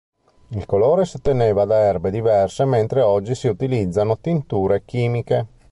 Il colore si otteneva da erbe diverse, mentre oggi si utilizzano tinture chimiche.